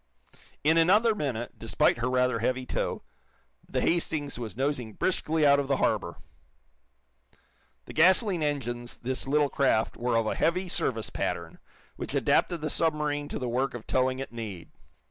In another minute, despite her rather heavy tow, the "Hastings" was nosing briskly out of the harbor. The gasoline engines this little craft were of a "heavy service" pattern, which adapted the submarine to the work of towing at need.